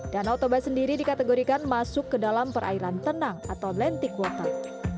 danau toba sendiri dikategorikan masuk ke dalam perairan tenang atau lantic water